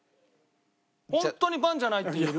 ホントにパンじゃないって言える？